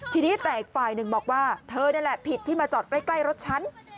ทีนี้แต่อีกฝ่ายหนึ่งบอกว่าเธอนั่นแหละผิดที่มาจอดใกล้รถฉัน